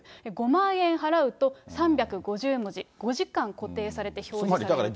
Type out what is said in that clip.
５万円払うと３５０文字、５時間固定されて表示される。